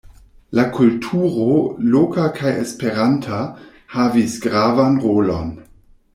La kulturo, loka kaj esperanta, havis gravan rolon.